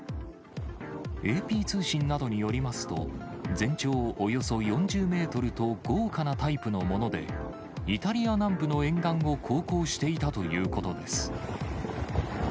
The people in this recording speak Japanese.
ＡＰ通信などによりますと、全長およそ４０メートルと豪華なタイプのもので、イタリア南部の沿岸を航行していたということです。